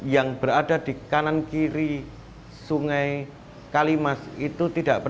yang kemarin di negara negara finanye atau sumatero